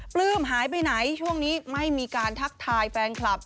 ปลื้มหายไปไหนช่วงนี้ไม่มีการทักทายแฟนคลับ